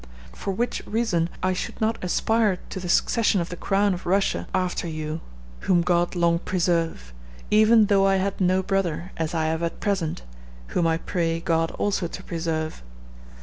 "For which reason I should not aspire to the succession of the crown of Russia after you whom God long preserve even though I had no brother, as I have at present, whom I pray God also to preserve.